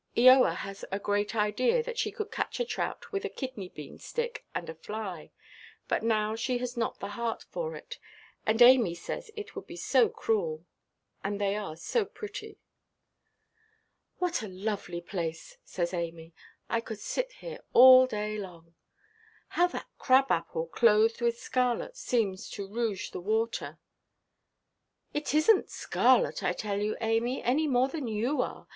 Eoa has a great idea that she could catch a trout with a kidney–bean stick and a fly; but now she has not the heart for it; and Amy says it would be so cruel, and they are so pretty. "What a lovely place!" says Amy; "I could sit here all day long. How that crab–apple, clothed with scarlet, seems to rouge the water!" "It isnʼt scarlet, I tell you, Amy, any more than you are.